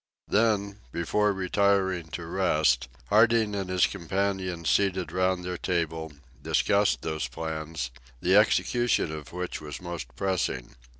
Then, before retiring to rest, Harding and his companions seated round their table, discussed those plans, the execution of which was most pressing.